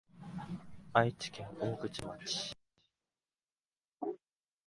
愛知県大口町